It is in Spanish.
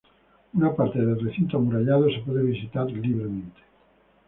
Una parte del recinto amurallado se puede visitar libremente.